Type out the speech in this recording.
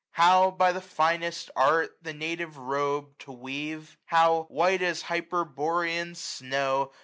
How, by the finest art, the native robe 915 To weave ; how, white as hyperborean snow.